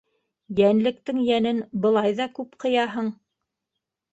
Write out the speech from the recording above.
- Йәнлектең йәнен былай ҙа күп ҡыяһың...